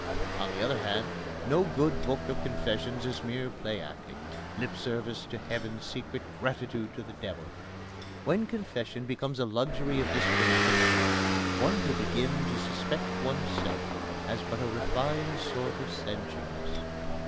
On the other hand, no good book of confessions is mere play acting lip service to heaven, secret gratitude to the devil. When confession becomes a luxury of this dramatic sort, one may begin to suspect oneself as but a refined sort of sensualist.